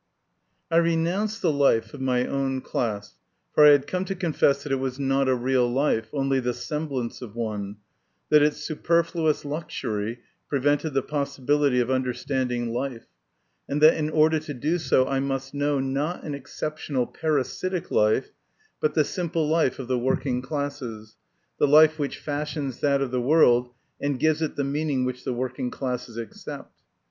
I RENOUNCED the life of my own class, for I had come to confess that it was not a real life, only the semblance of one, that its superfluous luxury prevented the possibility of understanding life, and that in order to do so I must know, not an exceptional parasitic life, but the simple life of the working classes, the life which fashions that of the world, and gives it the meaning which the working classes accept.